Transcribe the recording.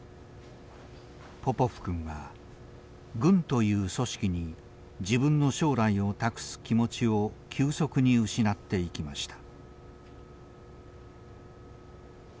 ポポフ君は軍という組織に自分の将来を託す気持ちを急速に失っていきました。